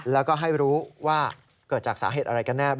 แล้วก็ให้รู้ว่าเกิดจากสาเหตุอะไรกันแน่